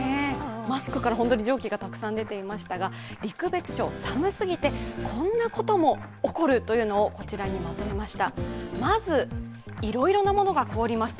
マスクから蒸気がたくさん出ていましたが、陸別町寒すぎて、こんなことも起こるというのをこちらにまとめました。